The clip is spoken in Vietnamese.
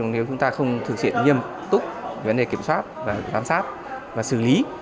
nếu chúng ta không thực hiện nghiêm túc vấn đề kiểm soát và giám sát và xử lý